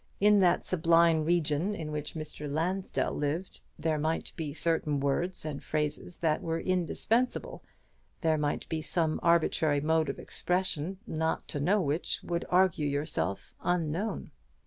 In that sublime region in which Mr. Lansdell lived, there might be certain words and phrases that were indispensable, there might be some arbitrary mode of expression, not to know which would argue yourself unknown.